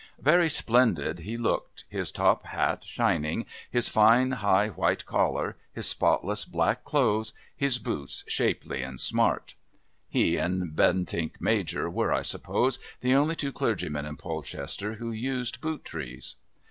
Very splendid he looked, his top hat shining, his fine high white collar, his spotless black clothes, his boots shapely and smart. (He and Bentinck Major were, I suppose, the only two clergymen in Polchester who used boot trees.)